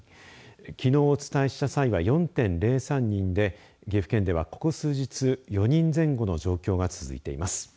きのうお伝えした際は４．０３人で岐阜県では、ここ数日４人前後の状況が続いています。